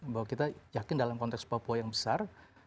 bahwa kita yakin dalam konteks papua yang besar